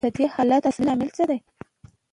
د دې حالت اصلي لامل څه دی